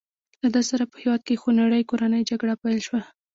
له دې سره په هېواد کې خونړۍ کورنۍ جګړه پیل شوه.